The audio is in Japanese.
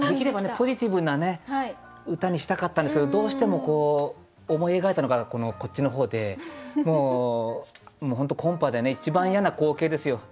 ポジティブな歌にしたかったんですけどどうしても思い描いたのがこっちの方でコンパで一番嫌な光景ですよ。